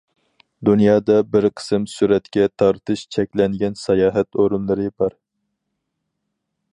دۇنيادا بىر قىسىم سۈرەتكە تارتىش چەكلەنگەن ساياھەت ئورۇنلىرى بار.